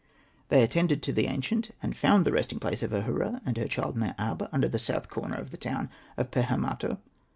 They attended to the ancient, and found the resting place of Ahura and her child Mer ab under the south corner of the town of Pehemato.